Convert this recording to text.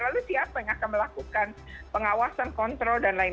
lalu siapa yang akan melakukan pengawasan kontrol dan lain lain